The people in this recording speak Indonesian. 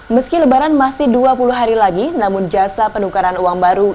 meski lebaran masih dua puluh hari lagi namun jasa penukaran uang baru